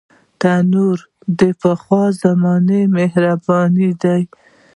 تنور د پخوا زمانو مهرباني ده